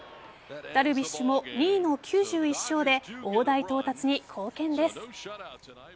ダルビッシュも２位の９１勝で大台到達に貢献です。